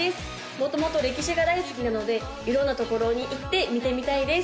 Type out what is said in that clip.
元々歴史が大好きなので色んなところに行って見てみたいです